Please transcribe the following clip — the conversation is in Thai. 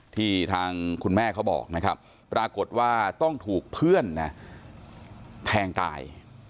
ที่ทางคุณแม่เขาบอกนะครับปรากฏว่าต้องถูกเพื่อนแทงตาย